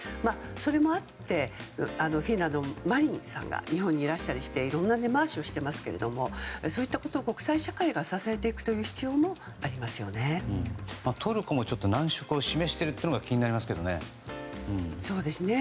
それもあってフィンランドのマリンさんが日本にいらしたりしていろんな根回しをしてますけどそういったこと国際社会が支えていくトルコも難色を示しているというのが気になりますけどね。